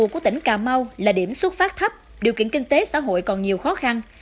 của tỉnh cà mau là điểm xuất phát thấp điều kiện kinh tế xã hội còn nhiều khó khăn